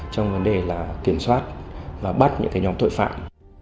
trong vấn đề kiểm soát và bắt những nhóm tội phạm